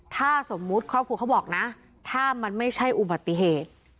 ถ้าสมมุติครอบครัวเขาบอกนะถ้ามันไม่ใช่อุบัติเหตุ